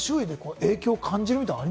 周囲に影響を感じるって。